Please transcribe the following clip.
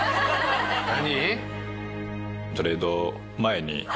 何？」